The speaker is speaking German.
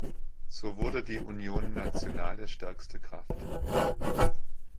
So wurde die Union Nationale stärkste Kraft.